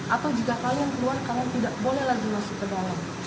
atau jika kalian keluar kalian tidak boleh lagi masuk ke dalam